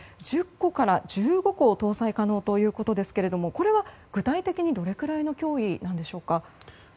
１０個から１５個搭載可能ということですけれどもこれは具体的にどのくらいの脅威なのでしょうか？